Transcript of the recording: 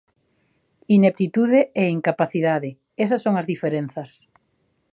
Ineptitude e incapacidade, esas son as diferenzas.